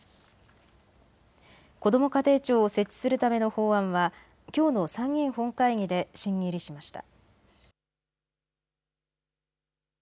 こども家庭庁を設置するための法案はきょうの参議院本会議で審議入りしました。